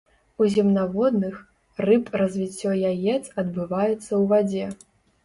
У земнаводных, рыб развіццё яец адбываецца ў вадзе.